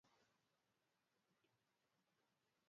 Kata kamano, nitie seche ma inyalo ndiko ne ng'at machielo,